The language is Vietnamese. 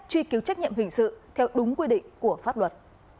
truy cứu trách nhiệm hình sự theo đúng quy định của pháp luật